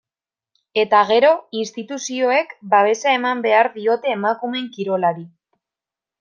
Eta, gero, instituzioek babesa eman behar diote emakumeen kirolari.